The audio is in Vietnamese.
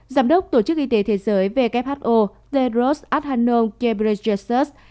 giám đốc tổ chức y tế thế giới who derose adhanom kebregesus